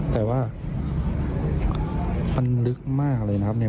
แต่ว่ามันลึกมากเลยนะครับเนี่ย